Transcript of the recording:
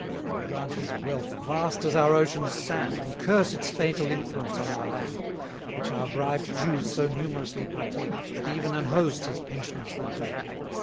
We grant his wealth vast as our ocean's sand, And curse its fatal influence on our land, Which our bribed Jews so numerously partake, That even an host his pensioners would make.